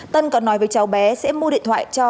tân còn nói với cháu bé sẽ mua điện thoại của anh đăng